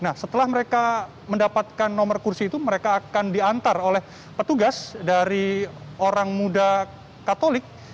nah setelah mereka mendapatkan nomor kursi itu mereka akan diantar oleh petugas dari orang muda katolik